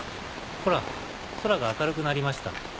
ほら空が明るくなりました。